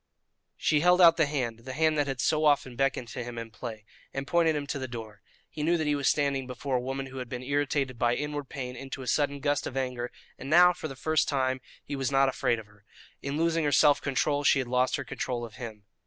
She held out the hand the hand that had so often beckoned to him in play and pointed him to the door. He knew that he was standing before a woman who had been irritated by inward pain into a sudden gust of anger, and now, for the first time, he was not afraid of her. In losing her self control she had lost her control of him.